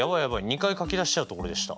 ２回書き出しちゃうところでした。